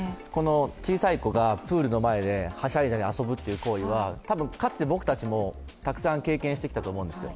小さい子がプールの前ではしゃいで遊ぶという行為はたぶん、かつて僕たちもたくさん経験してきたと思うんですよ。